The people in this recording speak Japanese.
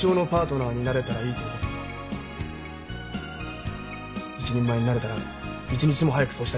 一人前になれたら一日も早くそうしたいと思っています。